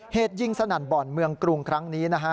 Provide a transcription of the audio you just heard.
เหตุยิงสนั่นบ่อนเมืองกรุงครั้งนี้นะฮะ